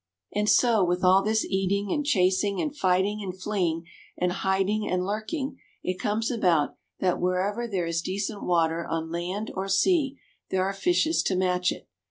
And so, with all this eating and chasing and fighting and fleeing and hiding and lurking, it comes about that wherever there is decent water on land or sea there are fishes to match it.